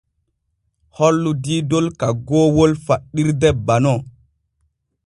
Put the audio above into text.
Hollu diidol kaggoowol faɗɗirde banon.